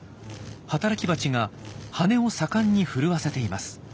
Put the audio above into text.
働きバチが羽を盛んに震わせています。